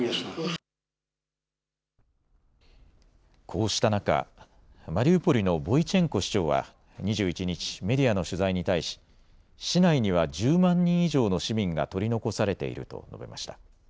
こうした中、マリウポリのボイチェンコ市長は２１日、メディアの取材に対し市内には１０万人以上の市民が取り残されていると述べました。